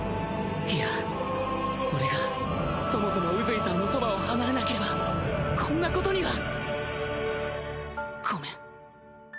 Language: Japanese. いや俺がそもそも宇髄さんのそばを離れなければこんなことには